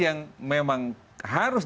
yang memang harus